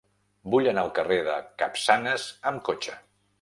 Vull anar al carrer de Capçanes amb cotxe.